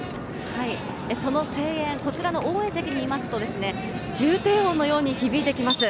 その声援、こちらの応援席にいますと、重低音のように響いてきます。